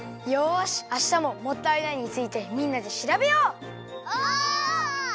よしあしたも「もったいない」についてみんなでしらべよう！